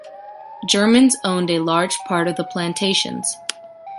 Germans owned a large part of the plantations.